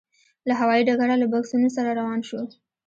له هوايي ډګره له بکسونو سره روان شوو.